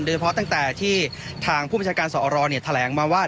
โดยเฉพาะตั้งแต่ที่ทางผู้บัญชาการสอรเนี่ยแถลงมาว่า